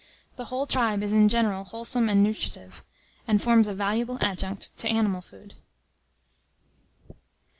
The whole tribe is in general wholesome and nutritive, and forms a valuable adjunct to animal food.